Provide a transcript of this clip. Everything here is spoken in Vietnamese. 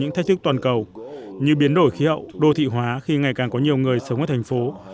những thách thức toàn cầu như biến đổi khí hậu đô thị hóa khi ngày càng có nhiều người sống ở thành phố